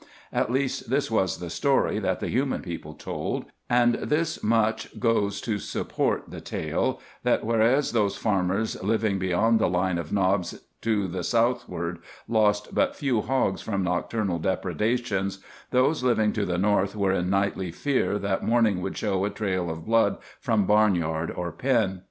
At least this was the story that the human people told, and this much goes to support the tale, that, whereas those farmers living beyond the line of knobs to the southward lost but few hogs from nocturnal depredations, those living to the north were in nightly fear that morning would show a trail of blood from barnyard or pen.